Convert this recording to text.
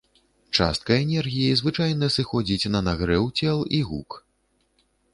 Частка энергіі звычайна сыходзіць на нагрэў цел і гук.